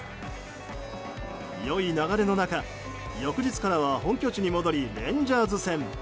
良い流れの中翌日からは本拠地に戻りレンジャーズ戦。